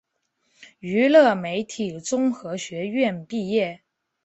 娱乐媒体综合学院毕业。